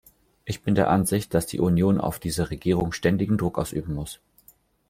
Ich bin der Ansicht, dass die Union auf diese Regierung ständigen Druck ausüben muss.